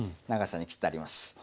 長さに切ってあります。